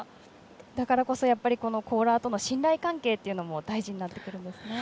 だからこそコーラーとの信頼関係も大事になってくるんですね。